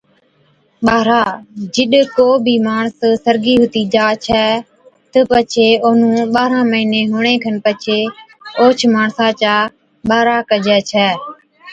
ٻارها، جِڏ ڪو بِي ماڻس سرگِي ھُتِي جا ڇَي تہ پڇي اونھُون ٻارھن مھِيني ھُوَڻي کن پڇي اوھچ ماڻسا چا ٻارھا ڪجَي ڇَي